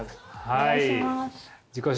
はい。